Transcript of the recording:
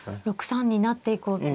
６三に成っていこうと。